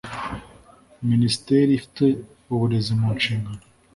minisiteri ifite uburezi mu nshingano